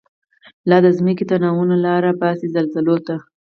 لا دځمکی تناوونه، لاره باسی زلزلوته